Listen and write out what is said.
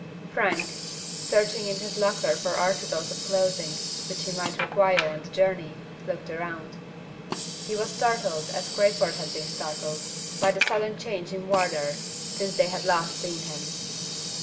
Frank searching in his locker for articles of clothing which he might require on the journey looked round. He was startled, as Crayford had been startled, by the sudden change in Wardour since they had last seen him.